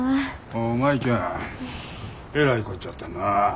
おう舞ちゃんえらいこっちゃったなぁ。